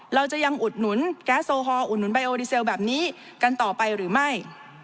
เราจะยังอุดหนุนแก๊สโซฮอลอุดหนุนไยโอดีเซลแบบนี้กันต่อไปหรือไม่